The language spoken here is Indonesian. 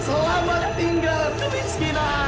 selamat tinggal kenderita